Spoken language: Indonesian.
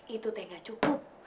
itu tidak cukup